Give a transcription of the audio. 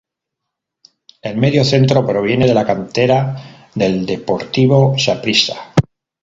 El mediocentro proviene de la cantera del Deportivo Saprissa.